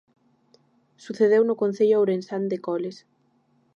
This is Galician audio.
Sucedeu no concello ourensán de Coles.